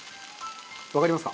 わかりますか？